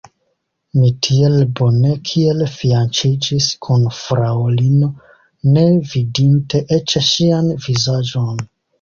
Mi tiel bone kiel fianĉiĝis kun fraŭlino, ne vidinte eĉ ŝian vizaĝon.